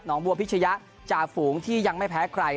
บัวพิชยะจ่าฝูงที่ยังไม่แพ้ใคร